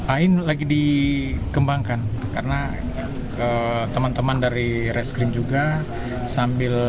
ain lagi dikembangkan karena teman teman dari reskrim juga sambil